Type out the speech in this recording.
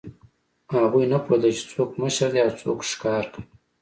هغوی نه پوهېدل، چې څوک مشر دی او څوک ښکار کوي.